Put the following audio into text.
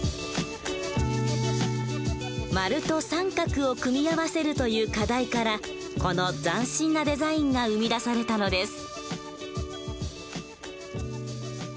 丸と三角を組み合わせるという課題からこの斬新なデザインが生み出されたのです。